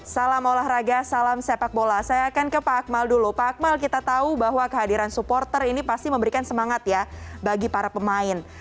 salam olahraga salam sepak bola saya akan ke pak akmal dulu pak akmal kita tahu bahwa kehadiran supporter ini pasti memberikan semangat ya bagi para pemain